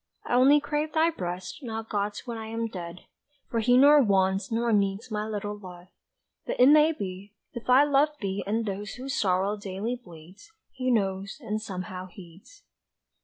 I only crave thy breast Not God's when I am dead. For He nor wants nor needs My little love. But it may be, if I love thee And those whose sorrow daily bleeds, He knows and somehow heeds!"